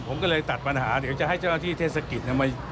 ผมก็เลยตัดปัญหาเดี๋ยวจะให้เจ้าหน้าที่เทศกิจ